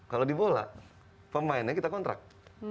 kalau di bola pemainnya kita kontrak